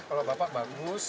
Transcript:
kalau bapak bagus